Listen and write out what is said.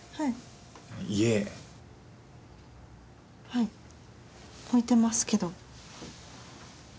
はい、置いてますけど。